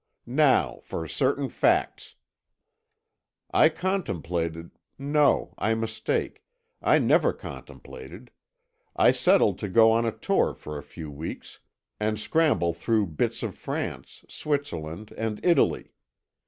"Now for certain facts. "I contemplated no, I mistake, I never contemplated I settled to go on a tour for a few weeks, and scramble through bits of France, Switzerland, and Italy.